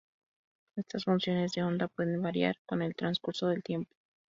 Estas funciones de onda pueden variar con el transcurso del tiempo.